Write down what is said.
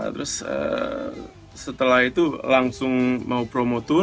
terus setelah itu langsung mau promo tour